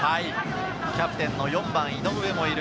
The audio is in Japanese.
キャプテンの４番・井上がいる。